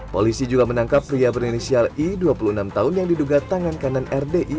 polisi juga menangkap pria berinisial i dua puluh enam tahun yang diduga tangan kanan rdi